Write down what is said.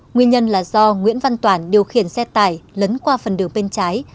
nguyên nhân là do nguyễn văn toản điều khiển xe tải lấn qua phần đường bên trái